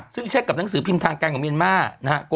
ซึ่งเช็คกับหนังสือพิมพ์ทางการของเมียนมาร์นะครับ